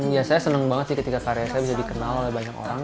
ya saya senang banget sih ketika karya saya bisa dikenal oleh banyak orang